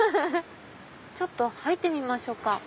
ちょっと入ってみましょうか。